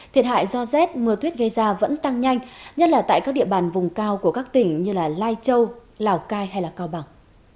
thiệt hại do rét mưa tuyết gây ra vẫn tăng nhanh nhất là tại các địa bàn vùng cao của các tỉnh như lai châu lào cai hay cao bằng